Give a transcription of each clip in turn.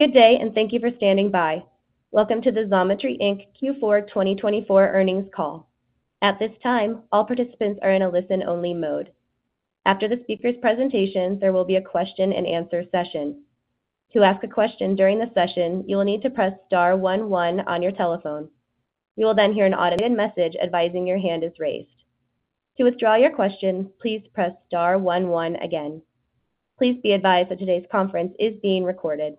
Good day, and thank you for standing by. Welcome to the Xometry Inc. Q4 2024 earnings call. At this time, all participants are in a listen-only mode. After the speaker's presentation, there will be a question-and-answer session. To ask a question during the session, you will need to press star one one on your telephone. You will then hear an automated message advising your hand is raised. To withdraw your question, please press star one one again. Please be advised that today's conference is being recorded.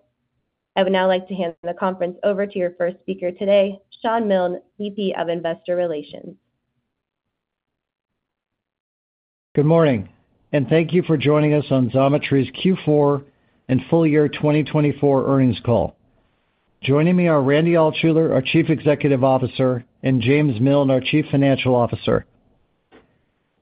I would now like to hand the conference over to your first speaker today, Shawn Milne, VP of Investor Relations. Good morning, and thank you for joining us on Xometry's Q4 and full year 2024 earnings call. Joining me are Randy Altschuler, our Chief Executive Officer, and James Miln, our Chief Financial Officer.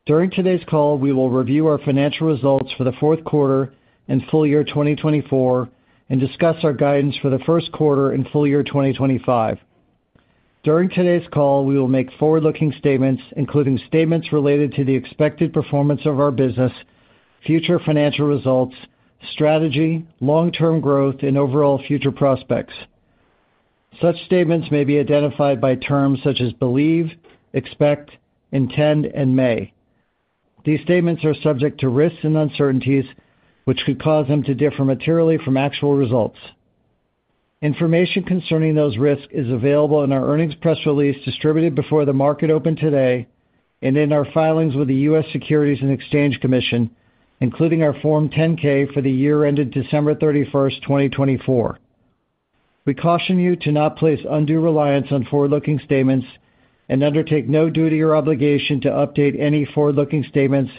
During today's call, we will review our financial results for the fourth quarter and full year 2024, and discuss our guidance for the first quarter and full year 2025. During today's call, we will make forward-looking statements, including statements related to the expected performance of our business, future financial results, strategy, long-term growth, and overall future prospects. Such statements may be identified by terms such as believe, expect, intend, and may. These statements are subject to risks and uncertainties, which could cause them to differ materially from actual results. Information concerning those risks is available in our earnings press release distributed before the market opened today and in our filings with the U.S. Securities and Exchange Commission, including our Form 10-K for the year ended December 31, 2024. We caution you to not place undue reliance on forward-looking statements and undertake no duty or obligation to update any forward-looking statements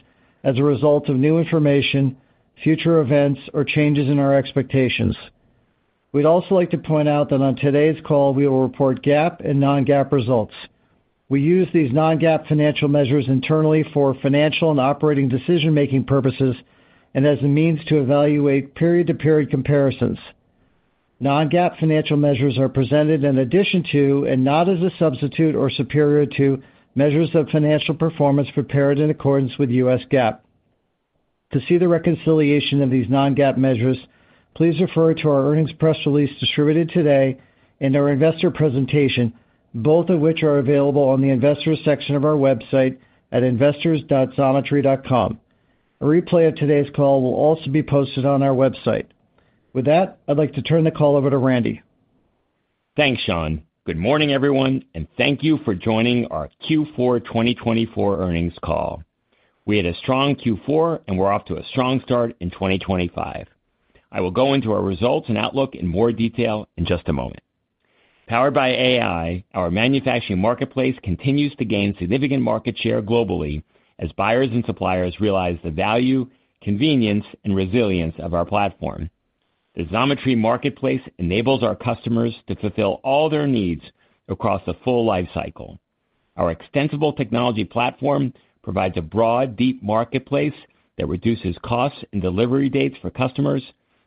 as a result of new information, future events, or changes in our expectations. We'd also like to point out that on today's call, we will report GAAP and non-GAAP results. We use these non-GAAP financial measures internally for financial and operating decision-making purposes and as a means to evaluate period-to-period comparisons. Non-GAAP financial measures are presented in addition to, and not as a substitute or superior to, measures of financial performance prepared in accordance with U.S. GAAP. To see the reconciliation of these non-GAAP measures, please refer to our earnings press release distributed today and our investor presentation, both of which are available on the investors' section of our website at investors.xometry.com. A replay of today's call will also be posted on our website. With that, I'd like to turn the call over to Randy. Thanks, Shawn. Good morning, everyone, and thank you for joining our Q4 2024 earnings call. We had a strong Q4, and we're off to a strong start in 2025. I will go into our results and outlook in more detail in just a moment. Powered by AI, our manufacturing marketplace continues to gain significant market share globally as buyers and suppliers realize the value, convenience, and resilience of our platform. The Xometry Marketplace enables our customers to fulfill all their needs across the full lifecycle. Our extensible technology platform provides a broad, deep marketplace that reduces costs and delivery dates for customers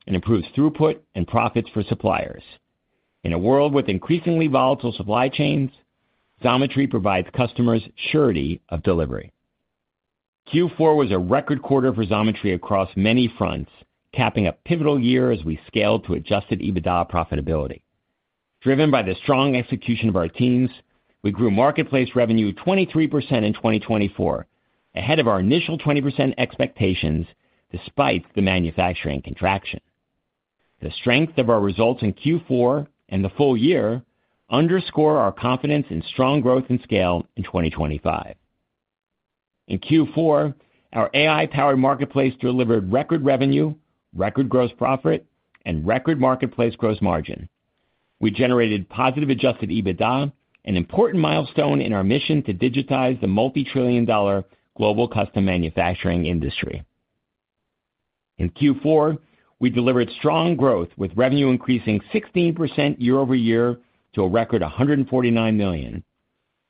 and improves throughput and profits for suppliers. In a world with increasingly volatile supply chains, Xometry provides customers surety of delivery. Q4 was a record quarter for Xometry across many fronts, capping a pivotal year as we scaled to Adjusted EBITDA profitability. Driven by the strong execution of our teams, we grew marketplace revenue 23% in 2024, ahead of our initial 20% expectations despite the manufacturing contraction. The strength of our results in Q4 and the full year underscore our confidence in strong growth and scale in 2025. In Q4, our AI-powered marketplace delivered record revenue, record gross profit, and record marketplace gross margin. We generated positive Adjusted EBITDA, an important milestone in our mission to digitize the multi-trillion-dollar global custom manufacturing industry. In Q4, we delivered strong growth with revenue increasing 16% year-over-year to arecord $149 million.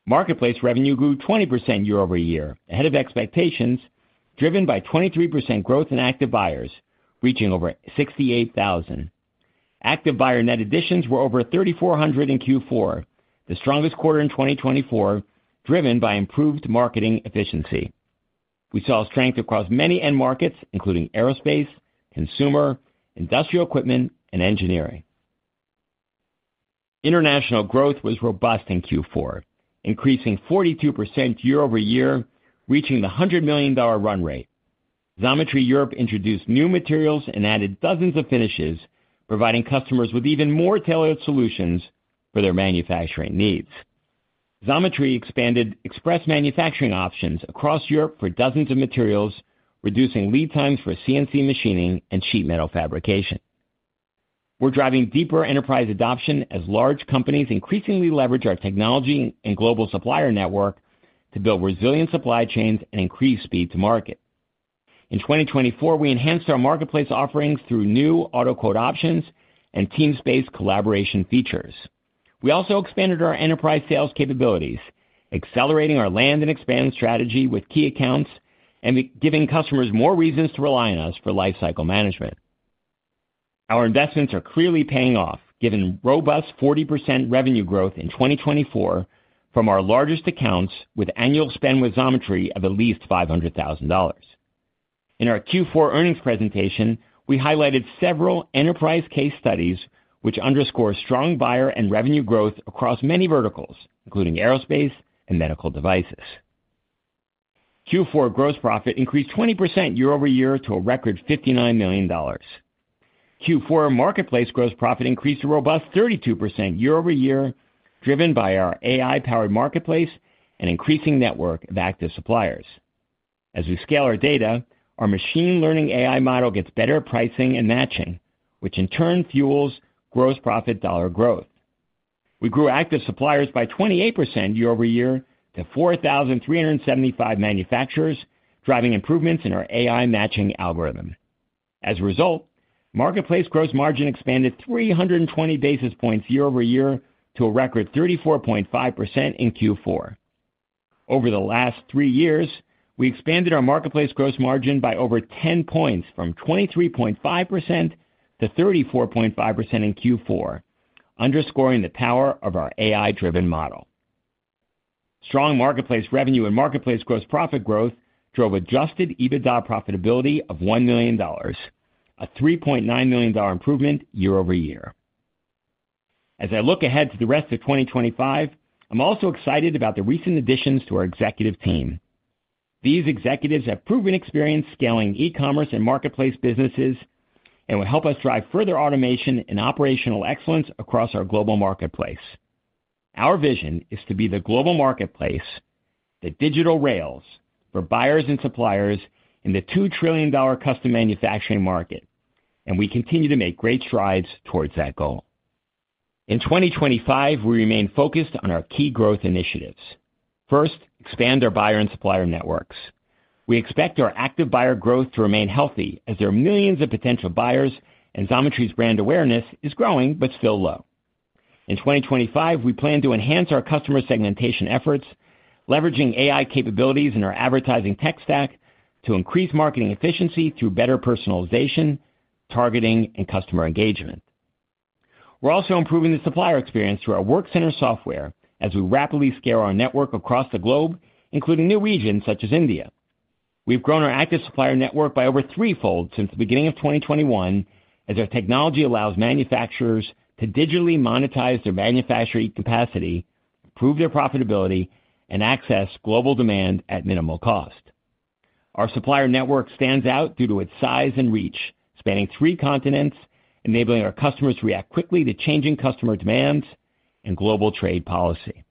Marketplace revenue grew 20% year-over-year, ahead of expectations, driven by 23% growth Active Buyers, reaching over 68,000. Active Buyer net additions were over 3,400 in Q4, the strongest quarter in 2024, driven by improved marketing efficiency. We saw strength across many end markets, including aerospace, consumer, industrial equipment, and engineering. International growth was robust in Q4, increasing 42% year-over-year, reaching the $100 million run rate. Xometry Europe introduced new materials and added dozens of finishes, providing customers with even more tailored solutions for their manufacturing needs. Xometry expanded express manufacturing options across Europe for dozens of materials, reducing lead times for CNC machining and sheet metal fabrication. We're driving deeper enterprise adoption as large companies increasingly leverage our technology and global supplier network to build resilient supply chains and increase speed to market. In 2024, we enhanced our marketplace offerings through new auto quote options and team-based collaboration features. We also expanded our enterprise sales capabilities, accelerating our land and expand strategy with key accounts and giving customers more reasons to rely on us for lifecycle management. Our investments are clearly paying off, given robust 40% revenue growth in 2024 from our largest accounts with annual spend with Xometry of at least $500,000. In our Q4 earnings presentation, we highlighted several enterprise case studies, which underscore strong buyer and revenue growth across many verticals, including aerospace and medical devices. Q4 gross profit increased 20% year-over-year to a record $59 million. Q4 marketplace gross profit increased a robust 32% year-over-year, driven by our AI-powered marketplace and increasing network of active suppliers. As we scale our data, our machine learning AI model gets better pricing and matching, which in turn fuels gross profit dollar growth. We grew active suppliers by 28% year-over-year to 4,375 manufacturers, driving improvements in our AI matching algorithm. As a result, marketplace gross margin expanded 320 basis points year-over-year to a record 34.5% in Q4. Over the last three years, we expanded our marketplace gross margin by over 10 points from 23.5% to 34.5% in Q4, underscoring the power of our AI-driven model. Strong marketplace revenue and marketplace gross profit growth drove Adjusted EBITDA profitability of $1 million, a $3.9 million improvement year-over-year. As I look ahead to the rest of 2025, I'm also excited about the recent additions to our executive team. These executives have proven experience scaling e-commerce and marketplace businesses and will help us drive further automation and operational excellence across our global marketplace. Our vision is to be the global marketplace, the digital rails for buyers and suppliers in the $2 trillion custom manufacturing market, and we continue to make great strides towards that goal. In 2025, we remain focused on our key growth initiatives. First, expand our buyer and supplier networks. We expect Active Buyer growth to remain healthy as there are millions of potential buyers and Xometry's brand awareness is growing but still low. In 2025, we plan to enhance our customer segmentation efforts, leveraging AI capabilities in our advertising tech stack to increase marketing efficiency through better personalization, targeting, and customer engagement. We're also improving the supplier experience through our Workcenter software as we rapidly scale our network across the globe, including new regions such as India. We've grown our active supplier network by over threefold since the beginning of 2021 as our technology allows manufacturers to digitally monetize their manufacturing capacity, improve their profitability, and access global demand at minimal cost. Our supplier network stands out due to its size and reach, spanning three continents, enabling our customers to react quickly to changing customer demands and global trade policy.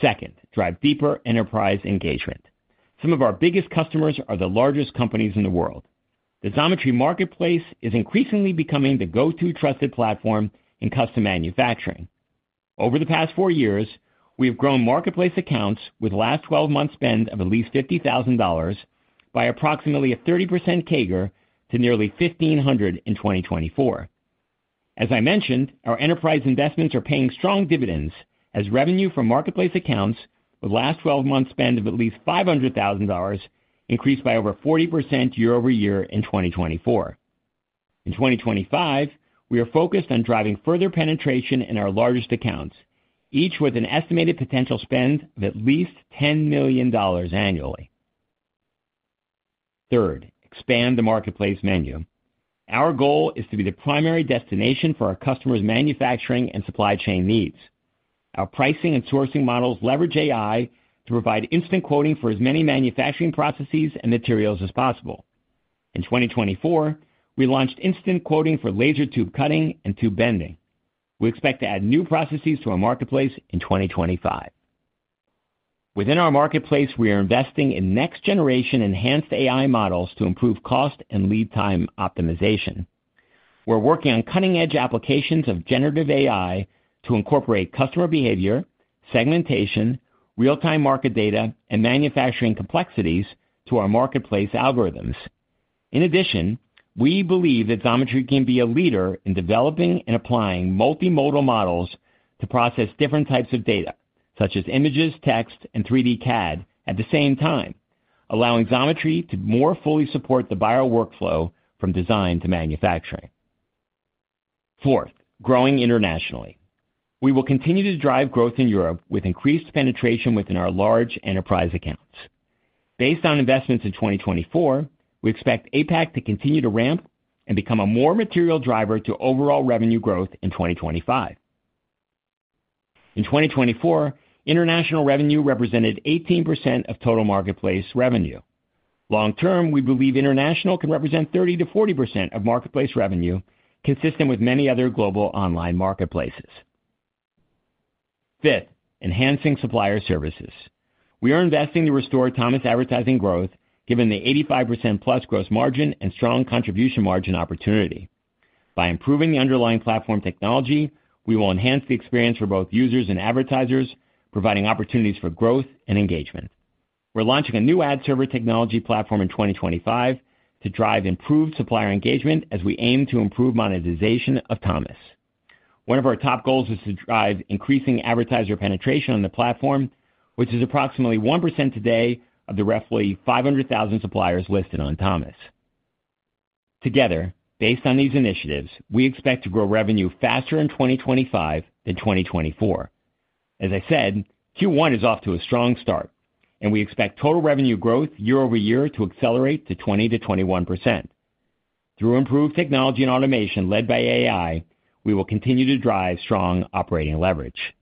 Second, drive deeper enterprise engagement. Some of our biggest customers are the largest companies in the world. The Xometry Marketplace is increasingly becoming the go-to trusted platform in custom manufacturing. Over the past four years, we have grown marketplace accounts with last 12 months' spend of at least $50,000 by approximately a 30% CAGR to nearly 1,500 in 2024. As I mentioned, our enterprise investments are paying strong dividends as revenue from marketplace accounts with last 12 months' spend of at least $500,000 increased by over 40% year-over-year in 2024. In 2025, we are focused on driving further penetration in our largest accounts, each with an estimated potential spend of at least $10 million annually. Third, expand the marketplace menu. Our goal is to be the primary destination for our customers' manufacturing and supply chain needs. Our pricing and sourcing models leverage AI to provide instant quoting for as many manufacturing processes and materials as possible. In 2024, we launched instant quoting for laser tube cutting and tube bending. We expect to add new processes to our marketplace in 2025. Within our marketplace, we are investing in next-generation enhanced AI models to improve cost and lead time optimization. We're working on cutting-edge applications of generative AI to incorporate customer behavior, segmentation, real-time market data, and manufacturing complexities to our marketplace algorithms. In addition, we believe that Xometry can be a leader in developing and applying multimodal models to process different types of data, such as images, text, and 3D CAD at the same time, allowing Xometry to more fully support the buyer workflow from design to manufacturing. Fourth, growing internationally. We will continue to drive growth in Europe with increased penetration within our large enterprise accounts. Based on investments in 2024, we expect APAC to continue to ramp and become a more material driver to overall revenue growth in 2025. In 2024, international revenue represented 18% of total marketplace revenue. Long-term, we believe international can represent 30%-40% of marketplace revenue, consistent with many other global online marketplaces. Fifth, enhancing supplier services. We are investing to restore Thomas advertising growth, given the 85% plus gross margin and strong contribution margin opportunity. By improving the underlying platform technology, we will enhance the experience for both users and advertisers, providing opportunities for growth and engagement. We're launching a new ad server technology platform in 2025 to drive improved supplier engagement as we aim to improve monetization of Thomas. One of our top goals is to drive increasing advertiser penetration on the platform, which is approximately 1% today of the roughly 500,000 suppliers listed on Thomas. Together, based on these initiatives, we expect to grow revenue faster in 2025 than 2024. As I said, Q1 is off to a strong start, and we expect total revenue growth year-over-year to accelerate to 20%-21%. Through improved technology and automation led by AI, we will continue to drive strong operating leverage.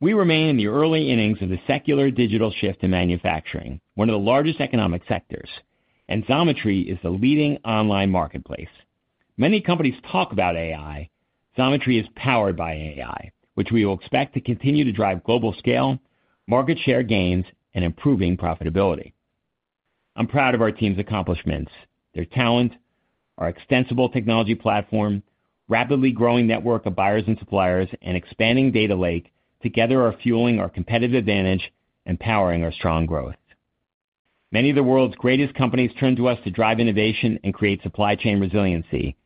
We remain in the early innings of the secular digital shift to manufacturing, one of the largest economic sectors, and Xometry is the leading online marketplace. Many companies talk about AI. Xometry is powered by AI, which we will expect to continue to drive global scale, market share gains, and improving profitability. I'm proud of our team's accomplishments. Their talent, our extensible technology platform, rapidly growing network of buyers and suppliers, and expanding data lake together are fueling our competitive advantage and powering our strong growth. Many of the world's greatest companies turn to us to drive innovation and create supply chain resiliency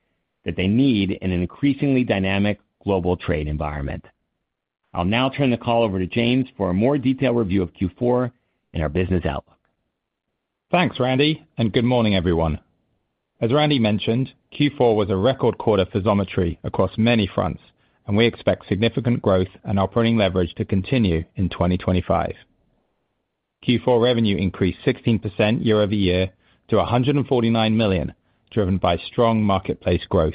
that they need in an increasingly dynamic global trade environment. I'll now turn the call over to James for a more detailed review of Q4 and our business outlook. Thanks, Randy, and good morning, everyone. As Randy mentioned, Q4 was a record quarter for Xometry across many fronts, and we expect significant growth and operating leverage to continue in 2025. Q4 revenue increased 16% year-over-year to $149 million, driven by strong marketplace growth.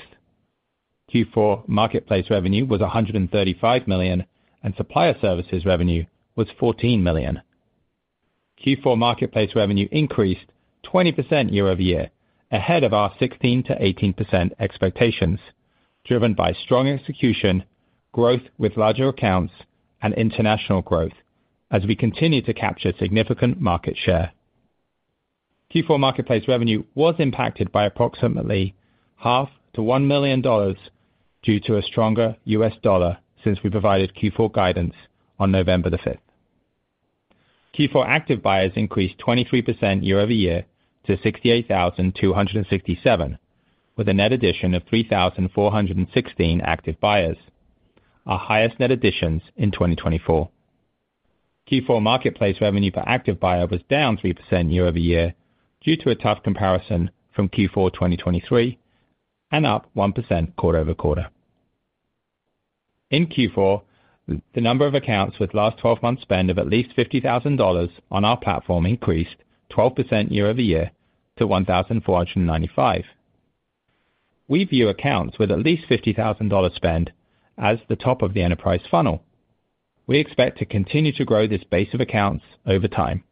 Q4 marketplace revenue was $135 million, and supplier services revenue was $14 million. Q4 marketplace revenue increased 20% year-over-year, ahead of our 16%-18% expectations, driven by strong execution, growth with larger accounts, and international growth as we continue to capture significant market share. Q4 marketplace revenue was impacted by approximately $500,000-$1 million due to a stronger U.S. dollar since we provided Q4 guidance on November the 5th. Active Buyers increased 23% year-over-year to 68,267, with a net addition of Active Buyers, our highest net additions in 2024. Q4 marketplace revenue for Active Buyer was down 3% year-over-year due to a tough comparison from Q4 2023 and up 1% quarter over quarter. In Q4, the number of accounts with last 12 months' spend of at least $50,000 on our platform increased 12% year-over-year to 1,495. We view accounts with at least $50,000 spend as the top of the enterprise funnel. We expect to continue to grow this base of accounts over time.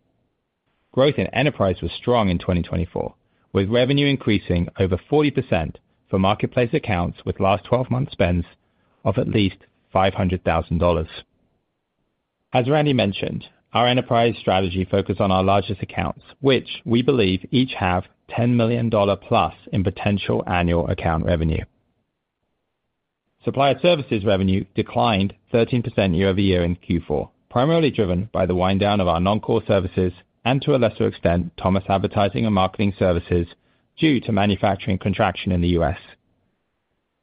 Growth in enterprise was strong in 2024, with revenue increasing over 40% for marketplace accounts with last 12 months' spends of at least $500,000. As Randy mentioned, our enterprise strategy focused on our largest accounts, which we believe each have $10 million plus in potential annual account revenue. Supplier services revenue declined 13% year-over-year in Q4, primarily driven by the wind down of our non-core services and to a lesser extent, Thomas advertising and marketing services due to manufacturing contraction in the U.S.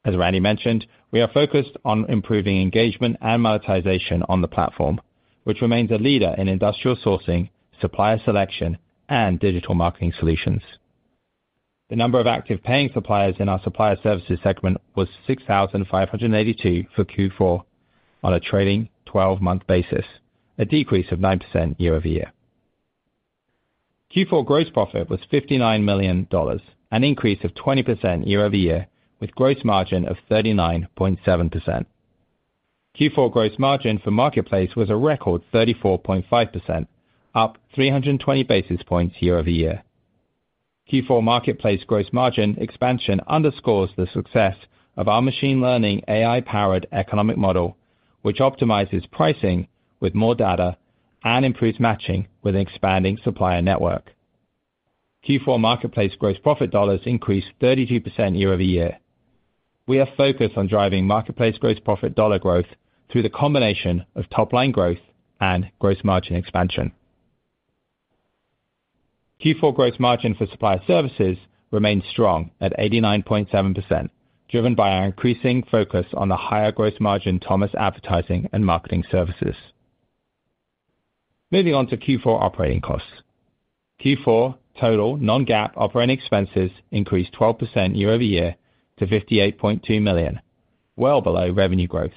As Randy mentioned, we are focused on improving engagement and monetization on the platform, which remains a leader in industrial sourcing, supplier selection, and digital marketing solutions. The number of Active Paying Suppliers in our supplier services segment was 6,582 for Q4 on a trailing 12-month basis, a decrease of 9% year-over-year. Q4 gross profit was $59 million, an increase of 20% year-over-year with gross margin of 39.7%. Q4 gross margin for marketplace was a record 34.5%, up 320 basis points year-over-year. Q4 marketplace gross margin expansion underscores the success of our machine learning AI-powered economic model, which optimizes pricing with more data and improves matching with an expanding supplier network. Q4 marketplace gross profit dollars increased 32% year-over-year. We are focused on driving marketplace gross profit dollar growth through the combination of top-line growth and gross margin expansion. Q4 gross margin for supplier services remains strong at 89.7%, driven by our increasing focus on the higher gross margin Thomas advertising and marketing services. Moving on to Q4 operating costs. Q4 total non-GAAP operating expenses increased 12% year-over-year to $58.2 million, well below revenue growth.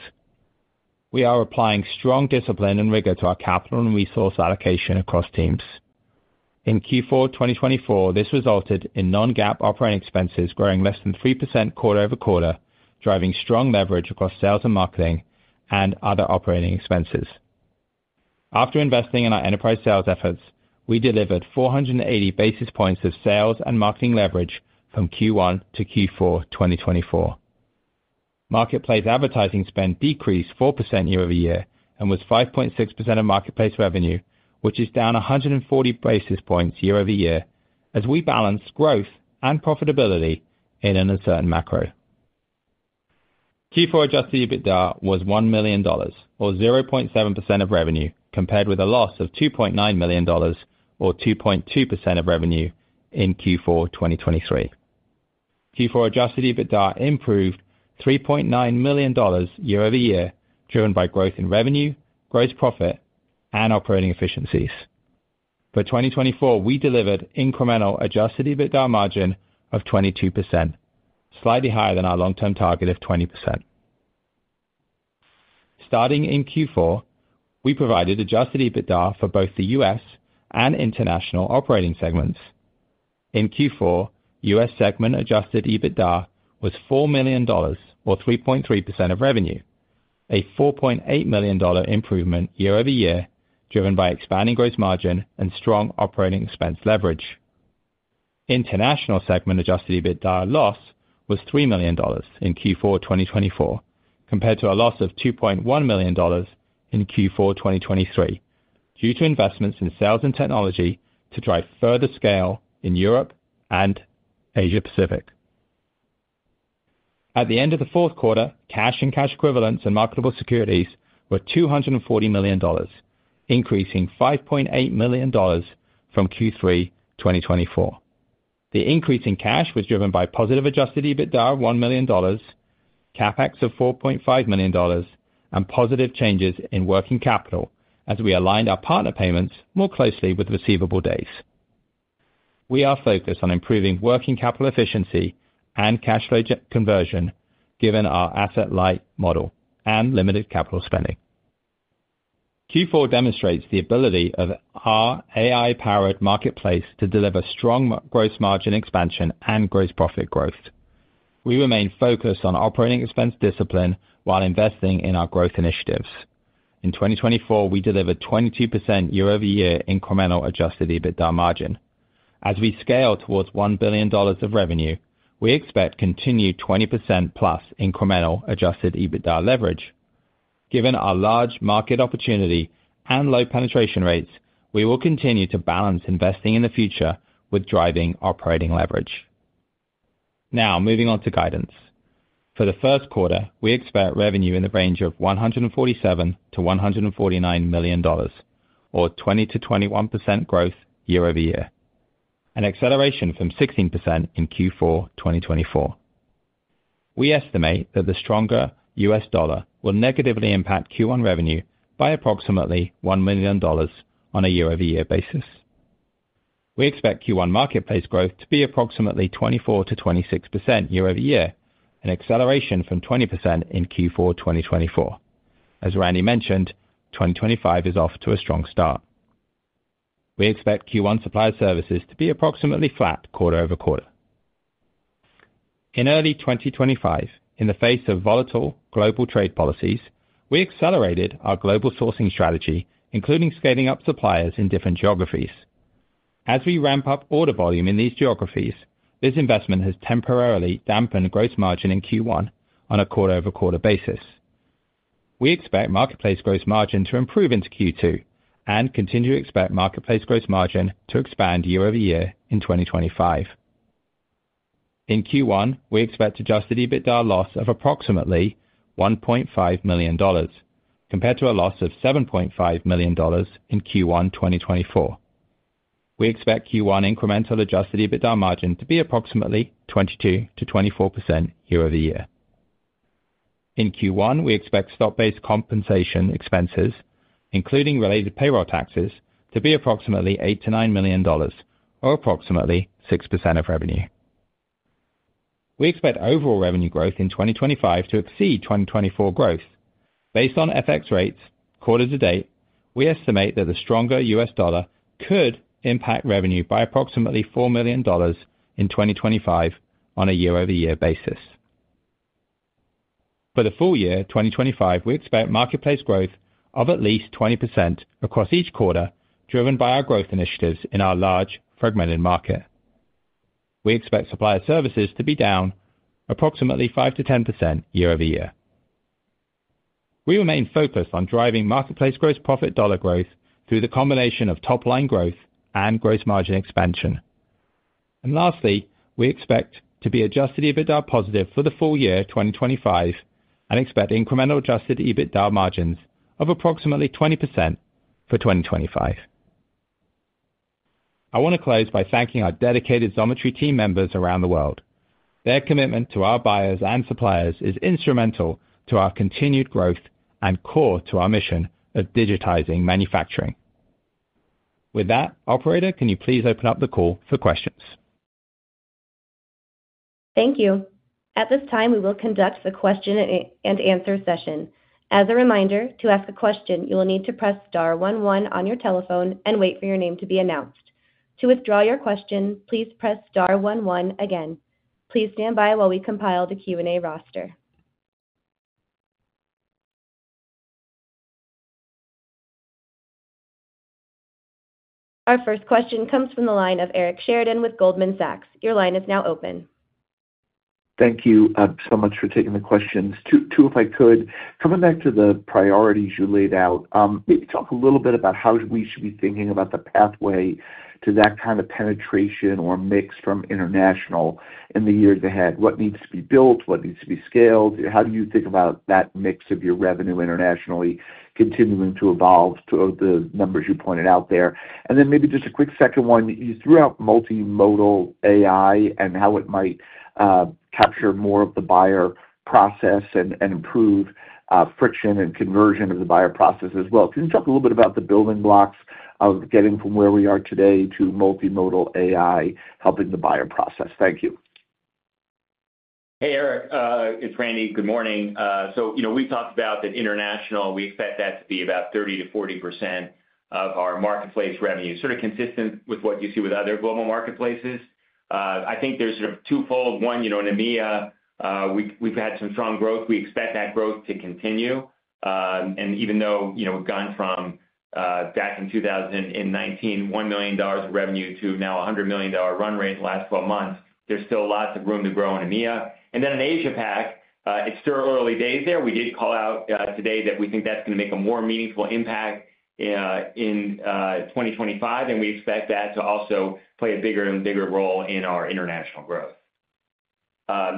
We are applying strong discipline and rigor to our capital and resource allocation across teams. In Q4 2024, this resulted in non-GAAP operating expenses growing less than 3% quarter over quarter, driving strong leverage across sales and marketing and other operating expenses. After investing in our enterprise sales efforts, we delivered 480 basis points of sales and marketing leverage from Q1 to Q4 2024. Marketplace advertising spend decreased 4% year-over-year and was 5.6% of marketplace revenue, which is down 140 basis points year-over-year as we balanced growth and profitability in an uncertain macro. Q4 Adjusted EBITDA was $1 million or 0.7% of revenue, compared with a loss of $2.9 million or 2.2% of revenue in Q4 2023. Q4 Adjusted EBITDA improved $3.9 million year-over-year, driven by growth in revenue, gross profit, and operating efficiencies. For 2024, we delivered incremental Adjusted EBITDA margin of 22%, slightly higher than our long-term target of 20%. Starting in Q4, we provided Adjusted EBITDA for both the U.S. and international operating segments. In Q4, U.S. segment Adjusted EBITDA was $4 million or 3.3% of revenue, a $4.8 million improvement year-over-year, driven by expanding gross margin and strong operating expense leverage. International segment Adjusted EBITDA loss was $3 million in Q4 2024, compared to a loss of $2.1 million in Q4 2023, due to investments in sales and technology to drive further scale in Europe and Asia-Pacific. At the end of the fourth quarter, cash and cash equivalents and marketable securities were $240 million, increasing $5.8 million from Q3 2024. The increase in cash was driven by positive Adjusted EBITDA of $1 million, CapEx of $4.5 million, and positive changes in working capital as we aligned our partner payments more closely with receivable days. We are focused on improving working capital efficiency and cash flow conversion, given our asset-light model and limited capital spending. Q4 demonstrates the ability of our AI-powered marketplace to deliver strong gross margin expansion and gross profit growth. We remain focused on operating expense discipline while investing in our growth initiatives. In 2024, we delivered 22% year-over-year incremental adjusted EBITDA margin. As we scale towards $1 billion of revenue, we expect continued 20% plus incremental adjusted EBITDA leverage. Given our large market opportunity and low penetration rates, we will continue to balance investing in the future with driving operating leverage. Now, moving on to guidance. For the first quarter, we expect revenue in the range of $147-$149 million, or 20%-21% growth year-over-year, an acceleration from 16% in Q4 2024. We estimate that the stronger U.S. dollar will negatively impact Q1 revenue by approximately $1 million on a year-over-year basis. We expect Q1 marketplace growth to be approximately 24%-26% year-over-year, an acceleration from 20% in Q4 2024. As Randy mentioned, 2025 is off to a strong start. We expect Q1 supplier services to be approximately flat quarter over quarter. In early 2025, in the face of volatile global trade policies, we accelerated our global sourcing strategy, including scaling up suppliers in different geographies. As we ramp up order volume in these geographies, this investment has temporarily dampened gross margin in Q1 on a quarter-over-quarter basis. We expect marketplace gross margin to improve into Q2 and continue to expect marketplace gross margin to expand year-over-year in 2025. In Q1, we expect Adjusted EBITDA loss of approximately $1.5 million, compared to a loss of $7.5 million in Q1 2024. We expect Q1 incremental Adjusted EBITDA margin to be approximately 22%-24% year-over-year. In Q1, we expect stock-based compensation expenses, including related payroll taxes, to be approximately $8-$9 million, or approximately 6% of revenue. We expect overall revenue growth in 2025 to exceed 2024 growth. Based on FX rates quarter to date, we estimate that the stronger U.S. dollar could impact revenue by approximately $4 million in 2025 on a year-over-year basis. For the full year 2025, we expect marketplace growth of at least 20% across each quarter, driven by our growth initiatives in our large fragmented market. We expect supplier services to be down approximately 5%-10% year-over-year. We remain focused on driving marketplace gross profit dollar growth through the combination of top-line growth and gross margin expansion. And lastly, we expect to be Adjusted EBITDA positive for the full year 2025 and expect incremental Adjusted EBITDA margins of approximately 20% for 2025. I want to close by thanking our dedicated Xometry team members around the world. Their commitment to our buyers and suppliers is instrumental to our continued growth and core to our mission of digitizing manufacturing. With that, Operator, can you please open up the call for questions? Thank you. At this time, we will conduct the question and answer session. As a reminder, to ask a question, you will need to press star 11 on your telephone and wait for your name to be announced. To withdraw your question, please press star 11 again. Please stand by while we compile the Q&A roster. Our first question comes from the line of Eric Sheridan with Goldman Sachs. Your line is now open. Thank you so much for taking the questions. Two, if I could, coming back to the priorities you laid out, maybe talk a little bit about how we should be thinking about the pathway to that kind of penetration or mix from international in the years ahead. What needs to be built? What needs to be scaled? How do you think about that mix of your revenue internationally continuing to evolve to the numbers you pointed out there? And then maybe just a quick second one. You threw out multimodal AI and how it might capture more of the buyer process and improve friction and conversion of the buyer process as well. Can you talk a little bit about the building blocks of getting from where we are today to multimodal AI helping the buyer process? Thank you. Hey, Eric. It's Randy. Good morning. So we talked about that international. We expect that to be about 30%-40% of our marketplace revenue, sort of consistent with what you see with other global marketplaces. I think there's sort of twofold. One, in EMEA, we've had some strong growth. We expect that growth to continue. And even though we've gone from back in 2019, $1 million-$100 million run rate in the last 12 months, there's still lots of room to grow in EMEA. And then in Asia-Pac, it's still early days there. We did call out today that we think that's going to make a more meaningful impact in 2025, and we expect that to also play a bigger and bigger role in our international growth.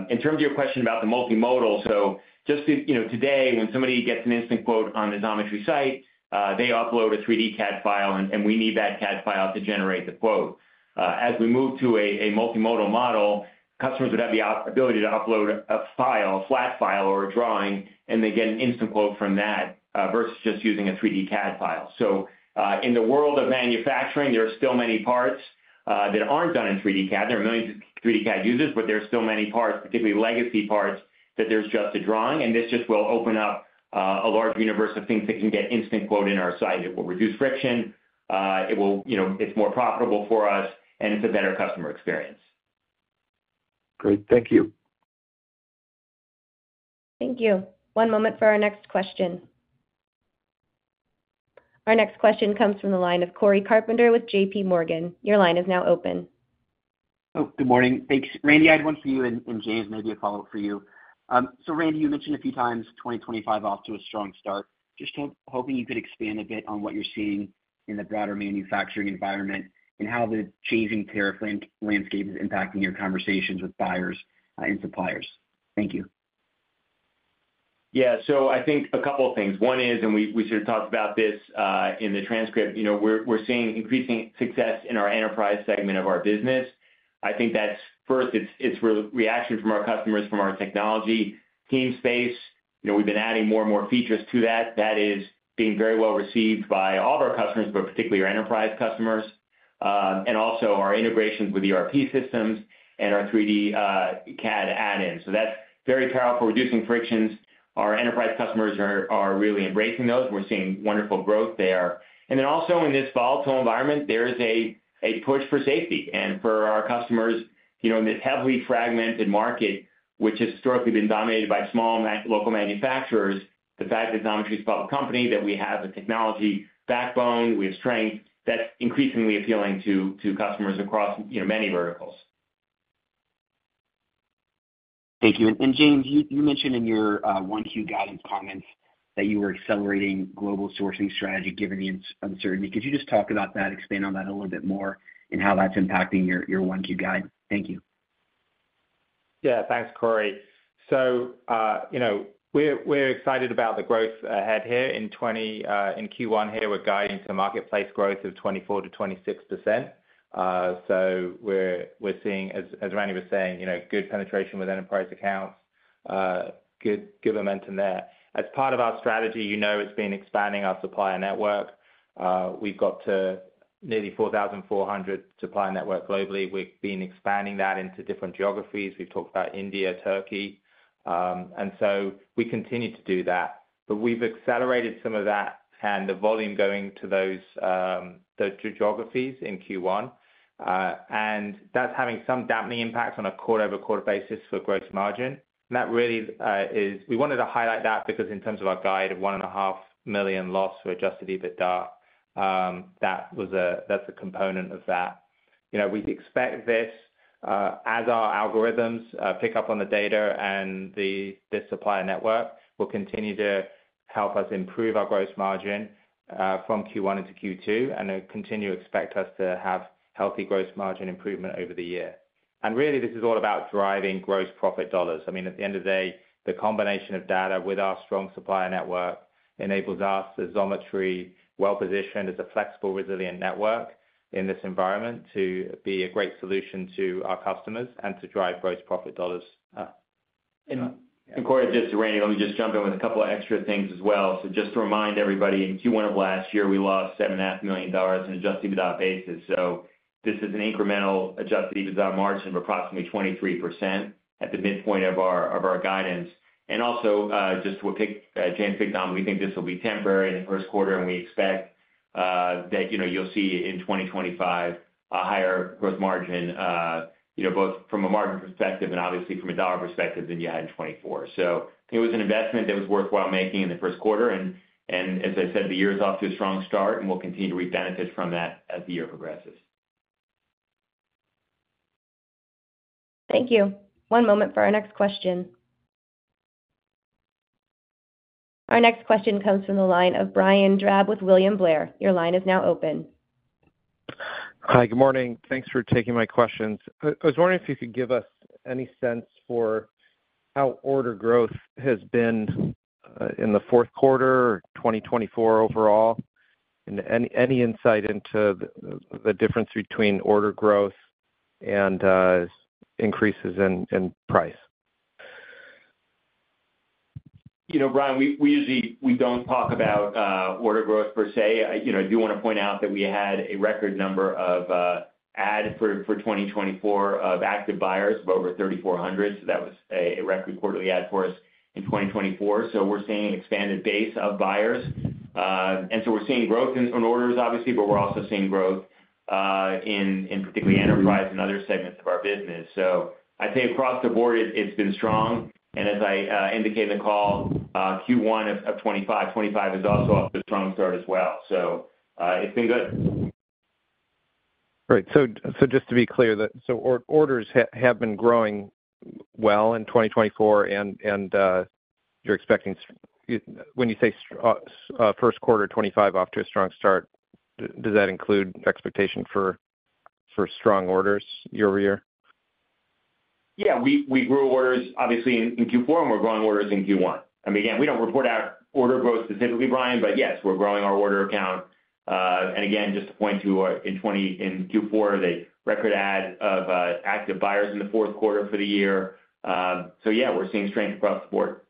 In terms of your question about the multimodal, so just today, when somebody gets an instant quote on the Xometry site, they upload a 3D CAD file, and we need that CAD file to generate the quote. As we move to a multimodal model, customers would have the ability to upload a file, a flat file, or a drawing, and they get an instant quote from that versus just using a 3D CAD file. So in the world of manufacturing, there are still many parts that aren't done in 3D CAD. There are millions of 3D CAD users, but there are still many parts, particularly legacy parts, that there's just a drawing, and this just will open up a large universe of things that can get instant quote in our site. It will reduce friction. It's more profitable for us, and it's a better customer experience. Great. Thank you. Thank you. One moment for our next question. Our next question comes from the line of Cory Carpenter with JPMorgan. Your line is now open. Oh, good morning. Thanks. Randy, I had one for you and James, maybe a follow-up for you. So Randy, you mentioned a few times 2025 off to a strong start. Just hoping you could expand a bit on what you're seeing in the broader manufacturing environment and how the changing tariff landscape is impacting your conversations with buyers and suppliers. Thank you. Yeah. So I think a couple of things. One is, and we sort of talked about this in the transcript, we're seeing increasing success in our enterprise segment of our business. I think that's, first, it's reaction from our customers, from our technology Teamspace. We've been adding more and more features to that. That is being very well received by all of our customers, but particularly our enterprise customers, and also our integrations with ERP systems and our 3D CAD add-in. So that's very powerful, reducing frictions. Our enterprise customers are really embracing those. We're seeing wonderful growth there. And then also in this volatile environment, there is a push for safety. And for our customers in this heavily fragmented market, which has historically been dominated by small local manufacturers, the fact that Xometry is a public company, that we have a technology backbone, we have strength, that's increasingly appealing to customers across many verticals. Thank you. James, you mentioned in your Q1 guidance comments that you were accelerating global sourcing strategy given the uncertainty. Could you just talk about that, expand on that a little bit more and how that's impacting your Q1 guide? Thank you. Yeah. Thanks, Cory. We're excited about the growth ahead here in Q1. We're guiding to marketplace growth of 24%-26%. We're seeing, as Randy was saying, good penetration with enterprise accounts, good momentum there. As part of our strategy, it's been expanding our supplier network. We've got to nearly 4,400 supplier network globally. We've been expanding that into different geographies. We've talked about India, Turkey. We continue to do that. But we've accelerated some of that and the volume going to those geographies in Q1. And that's having some dampening impact on a quarter-over-quarter basis for gross margin. And that really is we wanted to highlight that because in terms of our guide of $1.5 million loss for Adjusted EBITDA, that's a component of that. We expect this, as our algorithms pick up on the data and the supplier network, will continue to help us improve our gross margin from Q1 into Q2 and continue to expect us to have healthy gross margin improvement over the year. And really, this is all about driving gross profit dollars. I mean, at the end of the day, the combination of data with our strong supplier network enables us as Xometry, well-positioned as a flexible, resilient network in this environment, to be a great solution to our customers and to drive gross profit dollars. And Cory, just Randy, let me just jump in with a couple of extra things as well. So just to remind everybody, in Q1 of last year, we lost $7.5 million in adjusted EBITDA basis. So this is an incremental adjusted EBITDA margin of approximately 23% at the midpoint of our guidance. And also, just to what James picked on, we think this will be temporary in the first quarter, and we expect that you'll see in 2025 a higher gross margin, both from a margin perspective and obviously from a dollar perspective than you had in 2024. So it was an investment that was worthwhile making in the first quarter. And as I said, the year is off to a strong start, and we'll continue to reap benefits from that as the year progresses. Thank you. One moment for our next question. Our next question comes from the line of Brian Drab with William Blair. Your line is now open. Hi. Good morning. Thanks for taking my questions. I was wondering if you could give us any sense for how order growth has been in the fourth quarter 2024 overall, and any insight into the difference between order growth and increases in price? Brian, we don't talk about order growth per se. I do want to point out that we had a record number of add for 2024 of Active Buyers over 3,400. So that was a record quarterly active for us in 2024. So we're seeing an expanded base of buyers. And so we're seeing growth in orders, obviously, but we're also seeing growth in particularly enterprise and other segments of our business. So I'd say across the board, it's been strong. And as I indicated in the call, Q1 of 2025, 2025 is also off to a strong start as well. So it's been good. Great. So just to be clear, so orders have been growing well in 2024, and you're expecting when you say first quarter 2025 off to a strong start, does that include expectation for strong orders year-over-year? Yeah. We grew orders, obviously, in Q4, and we're growing orders in Q1. I mean, again, we don't report our order growth specifically, Brian, but yes, we're growing our order count. And again, just to point out in Q4, the record add of Active Buyers in the fourth quarter for the year. So yeah, we're seeing strength across the board.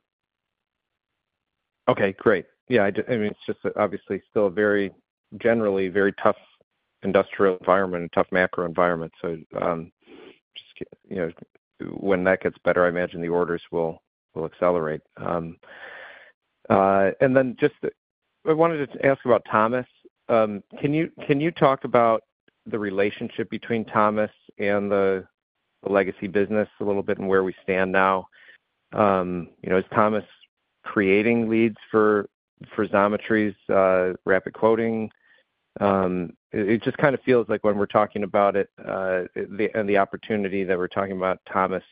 Okay. Great. Yeah. I mean, it's just obviously still a very generally very tough industrial environment, a tough macro environment. So when that gets better, I imagine the orders will accelerate. And then just I wanted to ask about Thomas. Can you talk about the relationship between Thomas and the legacy business a little bit and where we stand now? Is Thomas creating leads for Xometry's rapid quoting? It just kind of feels like when we're talking about it and the opportunity that we're talking about Thomas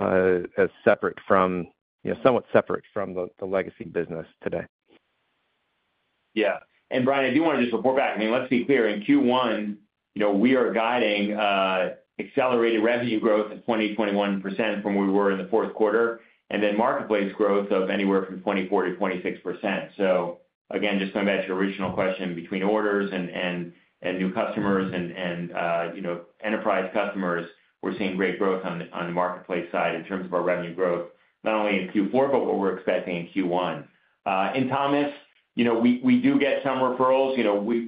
as somewhat separate from the legacy business today. Yeah. And Brian, I do want to just report back. I mean, let's be clear. In Q1, we are guiding accelerated revenue growth of 20%-21% from where we were in the fourth quarter, and then marketplace growth of anywhere from 24%-26%. So again, just going back to your original question, between orders and new customers and enterprise customers, we're seeing great growth on the marketplace side in terms of our revenue growth, not only in Q4, but what we're expecting in Q1. In Thomas, we do get some referrals.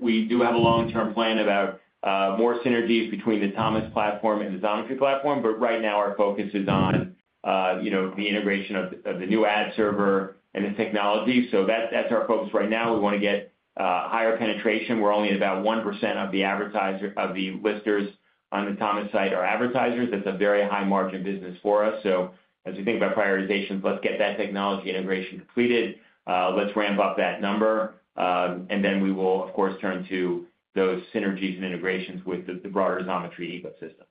We do have a long-term plan about more synergies between the Thomas platform and the Xometry platform, but right now, our focus is on the integration of the new ad server and the technology. So that's our focus right now. We want to get higher penetration. We're only at about 1% of the listers on the Thomas site are advertisers. That's a very high-margin business for us. So as we think about prioritizations, let's get that technology integration completed. Let's ramp up that number, and then we will, of course, turn to those synergies and integrations with the broader Xometry ecosystem.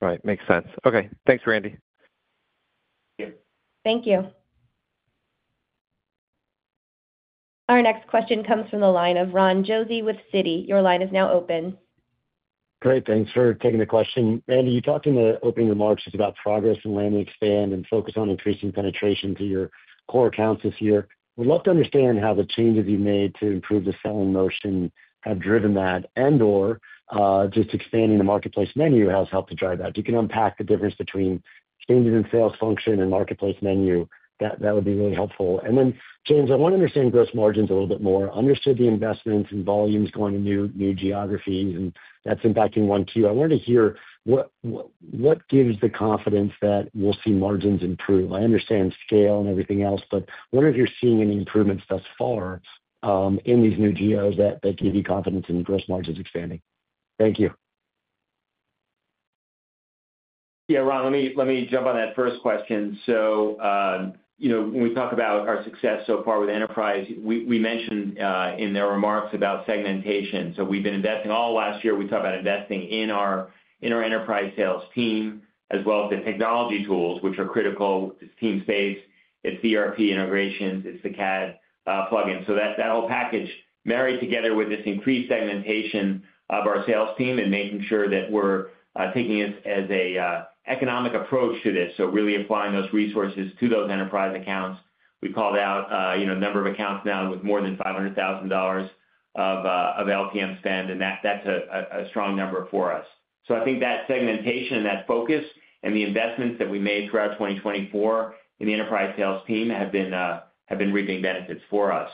Right. Makes sense. Okay. Thanks, Randy. Thank you. Our next question comes from the line of Ron Josey with Citi. Your line is now open. Great. Thanks for taking the question. Randy, you talked in the opening remarks about progress in land-and-expand and focus on increasing penetration to your core accounts this year. Would love to understand how the changes you've made to improve the selling motion have driven that, and/or just expanding the marketplace menu has helped to drive that. If you can unpack the difference between changes in sales function and marketplace menu, that would be really helpful. And then, James, I want to understand gross margins a little bit more. Understood the investments and volumes going to new geographies, and that's impacting Q1. I wanted to hear what gives the confidence that we'll see margins improve. I understand scale and everything else, but I wonder if you're seeing any improvements thus far in these new geos that give you confidence in gross margins expanding. Thank you. Yeah. Ron, let me jump on that first question. When we talk about our success so far with enterprise, we mentioned in their remarks about segmentation. We've been investing all last year. We talked about investing in our enterprise sales team as well as the technology tools, which are critical. It's Teamspace. It's ERP integrations. It's the CAD plug-in. That whole package married together with this increased segmentation of our sales team and making sure that we're taking it as an economic approach to this. Really applying those resources to those enterprise accounts. We called out a number of accounts now with more than $500,000 of LTM spend, and that's a strong number for us. I think that segmentation and that focus and the investments that we made throughout 2024 in the enterprise sales team have been reaping benefits for us.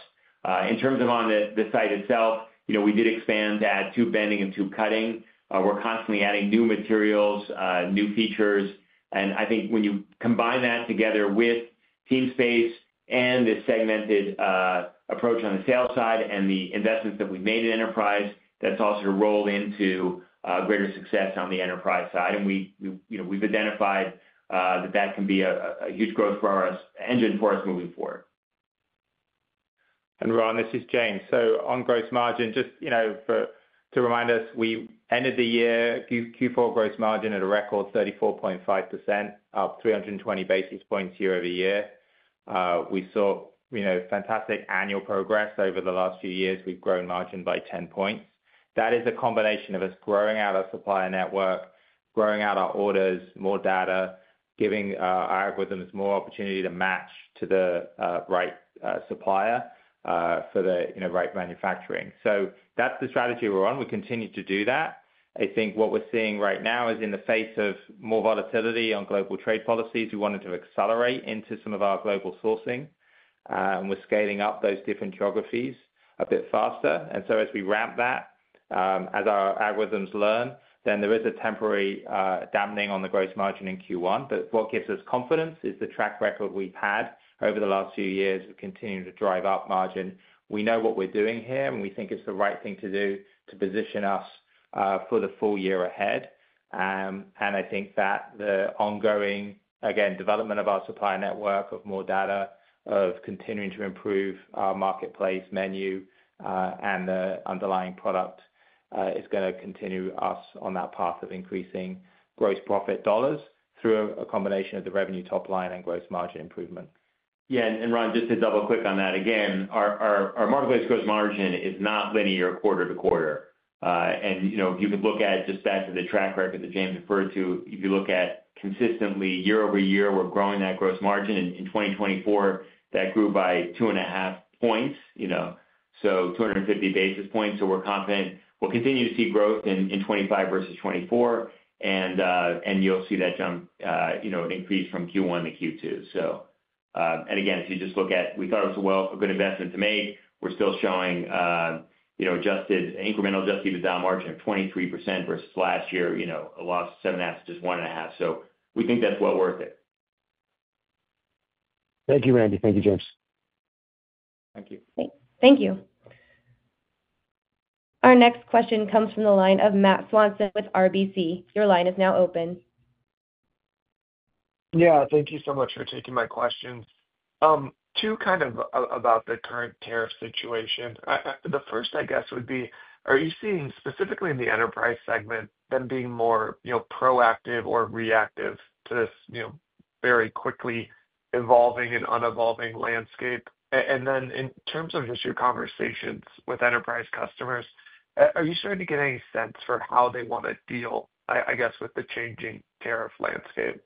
In terms of, on the site itself, we did expand to add tube bending and tube cutting. We're constantly adding new materials, new features, and I think when you combine that together with Teamspace and the segmented approach on the sales side and the investments that we've made in enterprise, that's also rolled into greater success on the enterprise side, and we've identified that that can be a huge growth engine for us moving forward. And Ron, this is James, so on gross margin, just to remind us, we ended the year Q4 gross margin at a record 34.5%, up 320 basis points year-over-year. We saw fantastic annual progress over the last few years. We've grown margin by 10 points. That is a combination of us growing out our supplier network, growing out our orders, more data, giving our algorithms more opportunity to match to the right supplier for the right manufacturing. So that's the strategy we're on. We continue to do that. I think what we're seeing right now is in the face of more volatility on global trade policies, we wanted to accelerate into some of our global sourcing. And we're scaling up those different geographies a bit faster. And so as we ramp that, as our algorithms learn, then there is a temporary dampening on the gross margin in Q1. But what gives us confidence is the track record we've had over the last few years of continuing to drive up margin. We know what we're doing here, and we think it's the right thing to do to position us for the full year ahead. And I think that the ongoing, again, development of our supplier network of more data, of continuing to improve our marketplace menu and the underlying product is going to continue us on that path of increasing gross profit dollars through a combination of the revenue top line and gross margin improvement. Yeah. And Ron, just to double-click on that, again, our marketplace gross margin is not linear quarter to quarter. And if you could look at just back to the track record that James referred to, if you look at consistently year-over-year, we're growing that gross margin. In 2024, that grew by two and a half points, so 250 basis points. So we're confident we'll continue to see growth in 2025 versus 2024, and you'll see that jump, an increase from Q1 to Q2. So, and again, if you just look at, we thought it was a good investment to make. We're still showing incremental Adjusted EBITDA margin of 23% versus last year, a loss of seven and a half to just one and a half. So we think that's well worth it. Thank you, Randy. Thank you, James. Thank you. Thank you. Our next question comes from the line of Matt Swanson with RBC. Your line is now open. Yeah. Thank you so much for taking my questions. Two kind of about the current tariff situation. The first, I guess, would be, are you seeing specifically in the enterprise segment them being more proactive or reactive to this very quickly evolving and unevolving landscape? And then in terms of just your conversations with enterprise customers, are you starting to get any sense for how they want to deal, I guess, with the changing tariff landscape?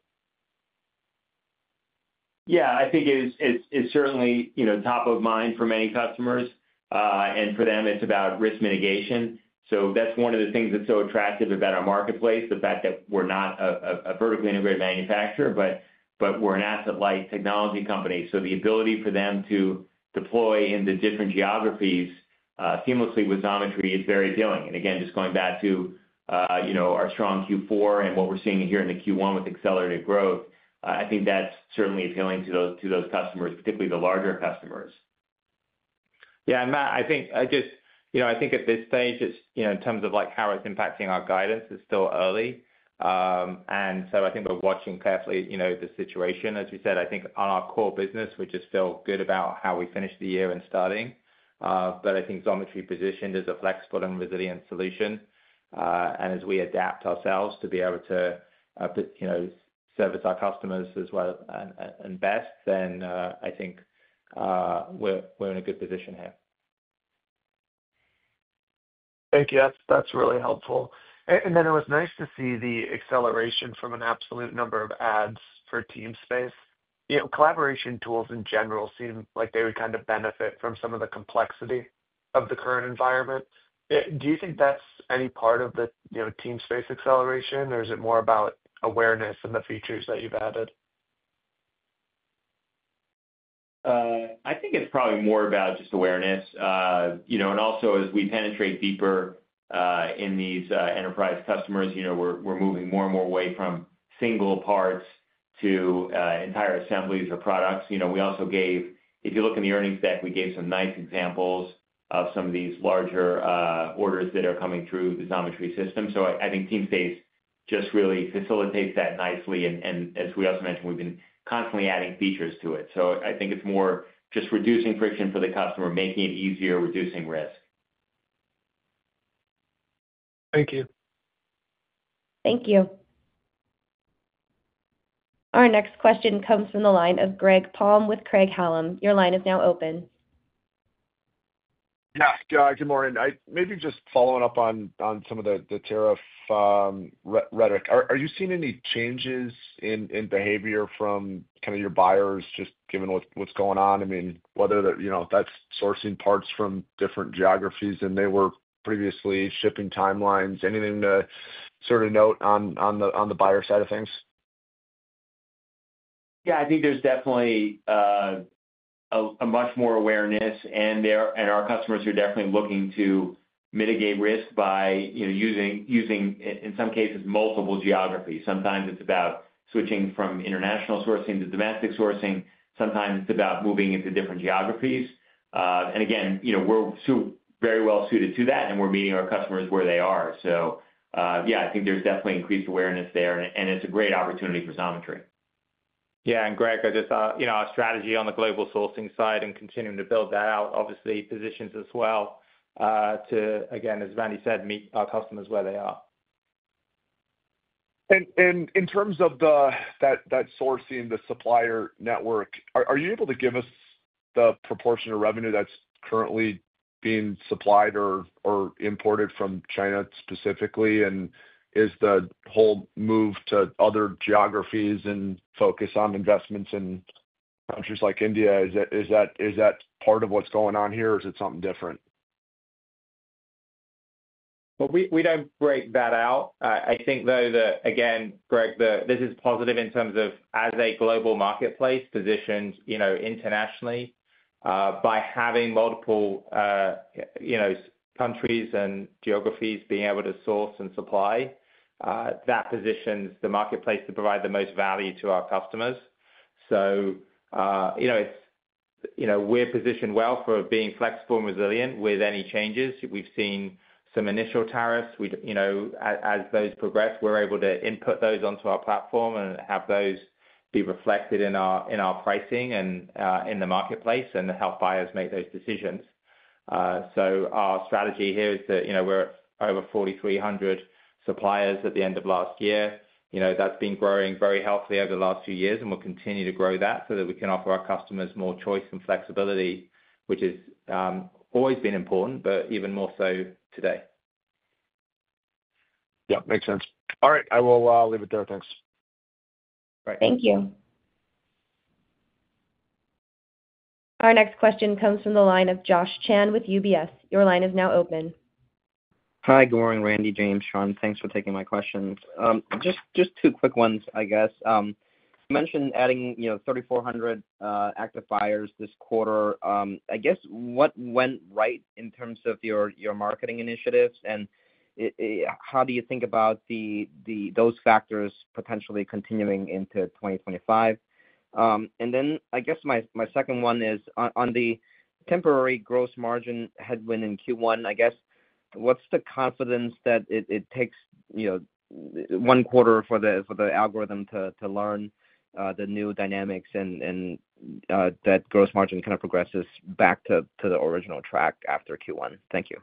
Yeah. I think it's certainly top of mind for many customers. And for them, it's about risk mitigation. So that's one of the things that's so attractive about our marketplace, the fact that we're not a vertically integrated manufacturer, but we're an asset-light technology company. So the ability for them to deploy into different geographies seamlessly with Xometry is very appealing. And again, just going back to our strong Q4 and what we're seeing here in the Q1 with accelerated growth, I think that's certainly appealing to those customers, particularly the larger customers. Yeah. And Matt, I think just at this stage, in terms of how it's impacting our guidance, it's still early. And so I think we're watching carefully the situation. As we said, I think on our core business, we just feel good about how we finished the year and starting. But I think Xometry positioned as a flexible and resilient solution. And as we adapt ourselves to be able to service our customers as well and best, then I think we're in a good position here. Thank you. That's really helpful. And then it was nice to see the acceleration from an absolute number of adds for Teamspace. Collaboration tools in general seem like they would kind of benefit from some of the complexity of the current environment. Do you think that's any part of the Teamspace acceleration, or is it more about awareness and the features that you've added? I think it's probably more about just awareness. And also, as we penetrate deeper in these enterprise customers, we're moving more and more away from single parts to entire assemblies or products. We also gave if you look in the earnings deck, we gave some nice examples of some of these larger orders that are coming through the Xometry system. So I think Teamspace just really facilitates that nicely. And as we also mentioned, we've been constantly adding features to it. So I think it's more just reducing friction for the customer, making it easier, reducing risk. Thank you. Thank you. Our next question comes from the line of Greg Palm with Craig-Hallum. Your line is now open. Yeah. Good morning. Maybe just following up on some of the tariff rhetoric. Are you seeing any changes in behavior from kind of your buyers, just given what's going on? I mean, whether that's sourcing parts from different geographies than they were previously, shipping timelines, anything to sort of note on the buyer side of things? Yeah. I think there's definitely a much more awareness. And our customers are definitely looking to mitigate risk by using, in some cases, multiple geographies. Sometimes it's about switching from international sourcing to domestic sourcing. Sometimes it's about moving into different geographies. And again, we're very well suited to that, and we're meeting our customers where they are. So yeah, I think there's definitely increased awareness there, and it's a great opportunity for Xometry. Yeah. And Greg, I just thought our strategy on the global sourcing side and continuing to build that out, obviously, positions as well to, again, as Randy said, meet our customers where they are. And in terms of that sourcing, the supplier network, are you able to give us the proportion of revenue that's currently being supplied or imported from China specifically? And is the whole move to other geographies and focus on investments in countries like India, is that part of what's going on here, or is it something different? Well, we don't break that out. I think, though, again, Greg, this is positive in terms of, as a global marketplace, positioned internationally by having multiple countries and geographies being able to source and supply. That positions the marketplace to provide the most value to our customers. So we're positioned well for being flexible and resilient with any changes. We've seen some initial tariffs. As those progress, we're able to input those onto our platform and have those be reflected in our pricing and in the marketplace and help buyers make those decisions. So our strategy here is that we're over 4,300 suppliers at the end of last year. That's been growing very healthily over the last few years, and we'll continue to grow that so that we can offer our customers more choice and flexibility, which has always been important, but even more so today. Yep. Makes sense. All right. I will leave it there. Thanks. Thank you. Our next question comes from the line of Josh Chan with UBS. Your line is now open. Hi, good morning, Randy, James, Shawn. Thanks for taking my questions. Just two quick ones, I guess. You mentioned adding 3,400 Active Buyers this quarter. I guess what went right in terms of your marketing initiatives, and how do you think about those factors potentially continuing into 2025? And then I guess my second one is on the temporary gross margin headwind in Q1. I guess, what's the confidence that it takes one quarter for the algorithm to learn the new dynamics and that gross margin kind of progresses back to the original track after Q1? Thank you.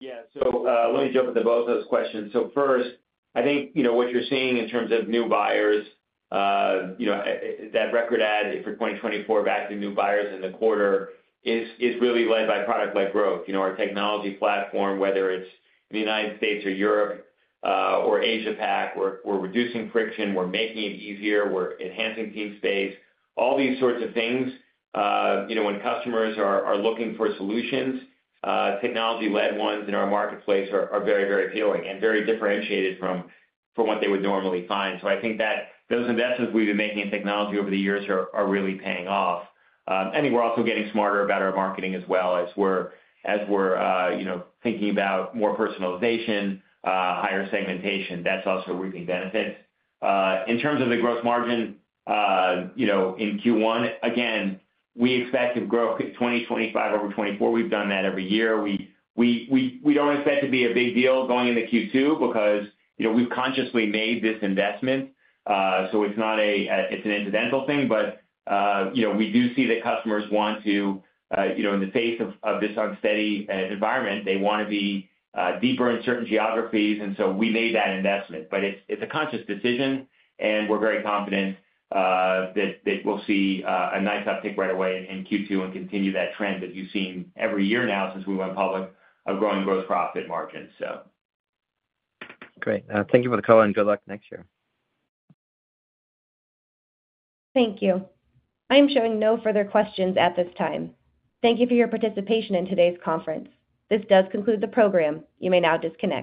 Yeah. So let me jump into both of those questions. So first, I think what you're seeing in terms of new buyers, that record add for 2024 of active new buyers in the quarter is really led by product-led growth. Our technology platform, whether it's in the United States or Europe or Asia-Pac, we're reducing friction. We're making it easier. We're enhancing teamspace. All these sorts of things, when customers are looking for solutions, technology-led ones in our marketplace are very, very appealing and very differentiated from what they would normally find. So I think that those investments we've been making in technology over the years are really paying off. I think we're also getting smarter about our marketing as well as we're thinking about more personalization, higher segmentation. That's also reaping benefits. In terms of the gross margin in Q1, again, we expect to grow 2025 over 2024. We've done that every year. We don't expect to be a big deal going into Q2 because we've consciously made this investment. So it's not an incidental thing. But we do see that customers want to, in the face of this unsteady environment, they want to be deeper in certain geographies. And so we made that investment. But it's a conscious decision, and we're very confident that we'll see a nice uptick right away in Q2 and continue that trend that you've seen every year now since we went public of growing gross profit margins, so. Great. Thank you for the call, and good luck next year. Thank you. I am showing no further questions at this time. Thank you for your participation in today's conference. This does conclude the program. You may now disconnect.